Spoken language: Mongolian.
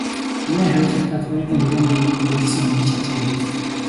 хэмээн хариулахдаа Туяагийн ярианы уярсан өнгийг ч ажаагүй билээ.